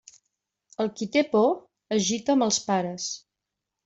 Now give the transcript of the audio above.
El qui té por es gita amb els pares.